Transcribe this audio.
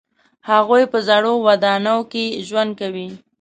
هغوی په زړو ودانیو کې ژوند کوي.